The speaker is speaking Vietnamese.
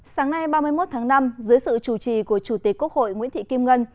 sáng nay ba mươi một tháng năm dưới sự chủ trì của chủ tịch quốc hội nguyễn thị kim ngân